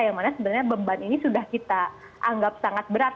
yang mana sebenarnya beban ini sudah kita anggap sangat berat